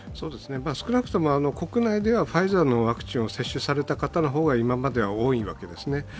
少なくとも国内ではファイザーのワクチンを接種された方の方が今までは多いわけですね。